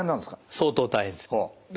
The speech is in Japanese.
相当大変です。